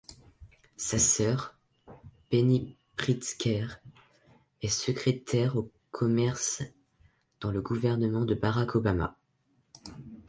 Sa sœur Penny Pritzker est secrétaire au Commerce dans le gouvernement de Barack Obama.